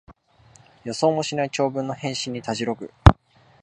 予想もしない長文の返信にたじろぐ